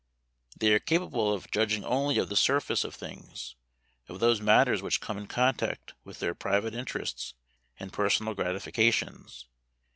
They are capable of judging only of the surface of things; of those matters which come in contact with their private interests and personal gratifications.